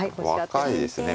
若いですね